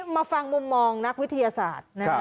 มาฟังมุมมองนักวิทยาศาสตร์